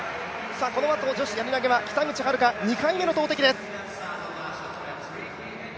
このあと、女子やり投は北口榛花２回目の投てきです。